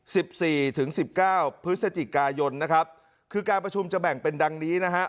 สิบสี่ถึงสิบเก้าพฤศจิกายนนะครับคือการประชุมจะแบ่งเป็นดังนี้นะฮะ